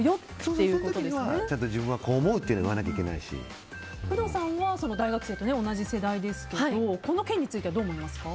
そういう時には、ちゃんと自分はこう思うというのを工藤さんは大学生と同じ世代ですけどこの件についてはどう思いますか？